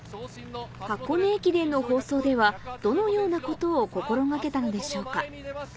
箱根駅伝の放送ではどのようなことを心掛けたのでしょうか？